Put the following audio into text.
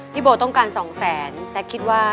พี่โบต้องการ๒๐๐๐๐๐แซคคิดว่า